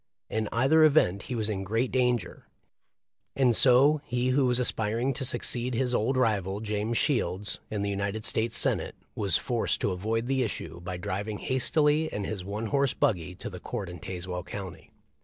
In either event he was in great dan ger; and so he who was aspiring to succeed his old rival, James Shields, in the United States Senate was forced to avoid the issue by driving hastily in his one horse buggy to the court in Tazewell county.